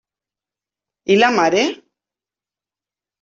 I la mare?